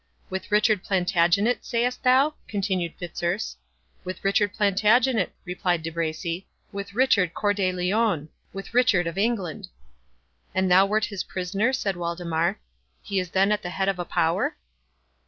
"With Richard Plantagenet, sayest thou?" continued Fitzurse. "With Richard Plantagenet," replied De Bracy, "with Richard Cœur de Lion—with Richard of England." "And thou wert his prisoner?" said Waldemar; "he is then at the head of a power?"